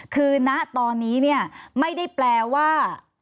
คือณตอนนี้ไม่ได้แปลว่า